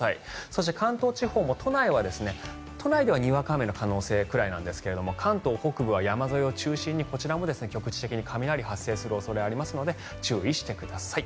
そして関東地方も都内ではにわか雨の可能性ぐらいなんですが関東北部は山沿いを中心にこちらも局地的に雷が発生する恐れがありますので注意してください。